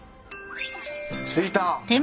着いた。